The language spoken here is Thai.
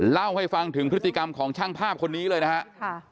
เล่าให้ฟังถึงพฤติกรรมของช่างภาพคนนี้เลยนะครับ